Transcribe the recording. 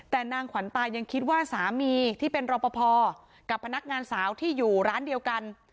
แต่นางขวัญตายังคิดว่าสามีที่เป็นรอปภกับพนักงานสาวที่อยู่ร้านเดียวกัน